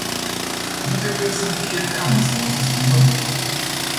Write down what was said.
Nu trebuie să-mi fie teamă să rostesc cuvântul...